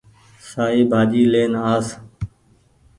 سآئي ڀآجي لين آس